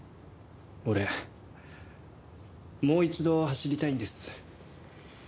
俺もう一度走りたいんです。